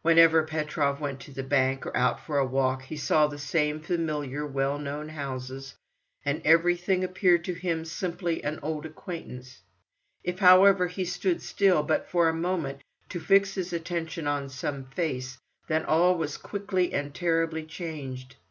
Whenever Petrov went to the bank, or out for a walk, he saw the same familiar, well known houses, and everything appeared to him simply an old acquaintance; if, however, he stood still, but for a moment, to fix his attention on some face, then all was quickly and terribly changed.